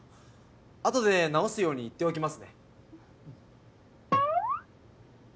あとで直すように言っておきますね。